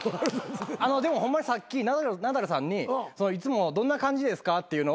でもホンマにさっきナダルさんにいつもどんな感じですかっていうのを。